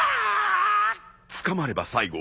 捕まれば最後。